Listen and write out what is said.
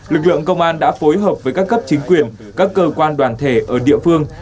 lực lượng công an đã phối hợp với các cấp chính quyền các cơ quan đoàn thể ở địa phương